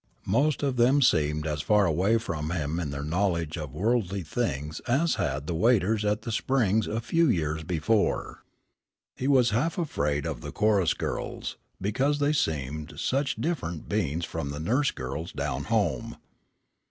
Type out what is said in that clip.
Most of them seemed as far away from him in their knowledge of worldly things as had the waiters at the Springs a few years before. He was half afraid of the chorus girls, because they seemed such different beings from the nurse girls down home.